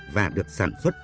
và được sản xuất